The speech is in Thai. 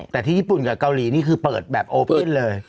แต่ที่ญี่ปุ่นกับเกาหลีนี่คือเปิดแบบโอปินเลย